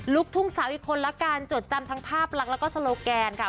ลูกทุ่งสาวอีกคนละกันจดจำทั้งภาพลักษณ์แล้วก็โซโลแกนค่ะ